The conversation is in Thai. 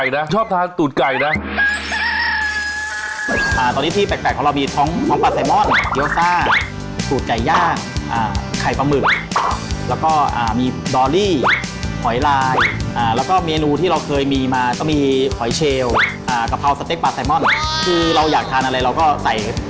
เราก็ลืมแข่งรับใจของเราเลย